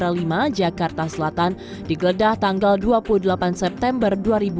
di jakarta selatan digeledah tanggal dua puluh delapan september dua ribu dua puluh